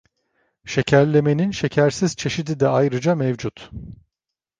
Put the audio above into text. Şekerlemenin şekersiz çeşidi de ayrıca mevcut.